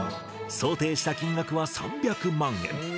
想定した金額は３００万円。